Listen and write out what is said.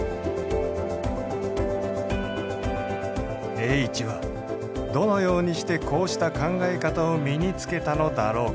栄一はどのようにしてこうした考え方を身につけたのだろうか？